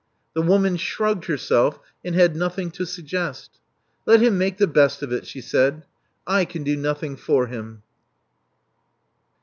The woman shrugged herself, and had nothing to suggest. Let him make the best of it," she said. I can do nothing for him."